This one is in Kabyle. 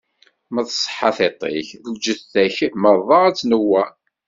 Ma tṣeḥḥa tiṭ-ik, lǧetta-k meṛṛa ad tnewweṛ.